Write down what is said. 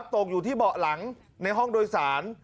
ตกอยู่ที่เบาะหลังในห้องโดยสาร